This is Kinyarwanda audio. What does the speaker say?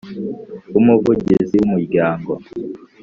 w Umuvugizi w Umuryango